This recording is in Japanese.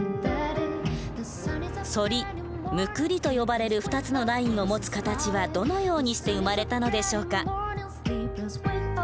「そり」「むくり」と呼ばれる２つのラインを持つ形はどのようにして生まれたのでしょうか。